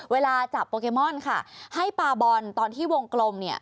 เวลาจับโปเกมอนค่ะให้ปาบอลตอนที่วงกลมเนี่ย